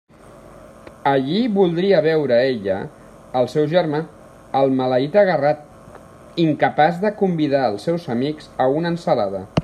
Allí voldria veure ella el seu germà, el maleït agarrat, incapaç de convidar els seus amics a una ensalada.